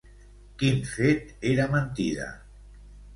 Quin fet era mentida?